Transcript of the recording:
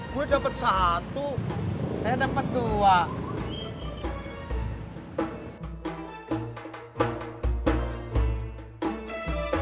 gue dapet satu saya dapet dua